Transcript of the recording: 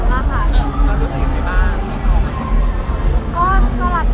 จริงเราโดนยังไงบ้างของมิ๊น